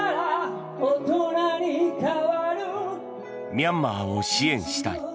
ミャンマーを支援したい。